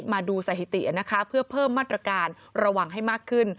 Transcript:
มาดูสถิตินะคะเพื่อเพิ่มมาตรการระวังให้มากขึ้น